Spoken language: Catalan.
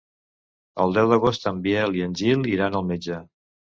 El deu d'agost en Biel i en Gil iran al metge.